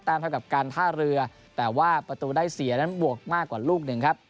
เท่ากับการท่าเรือแต่ว่าประตูได้เสียนั้นบวกมากกว่าลูกหนึ่งครับ